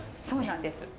そうなんです。